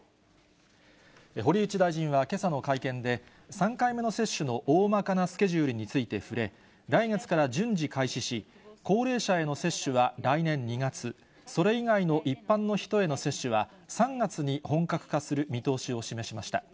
堀内大臣はけさの会見で、３回目の接種のおおまかなスケジュールについて触れ、来月から順次、開始し、高齢者への接種は来年２月、それ以外の一般の人への接種は３月に本格化する見通しを示しました。